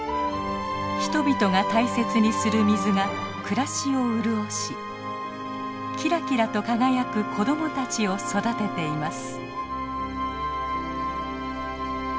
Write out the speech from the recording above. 人々が大切にする水が暮らしを潤しキラキラと輝く子供たちを育てています。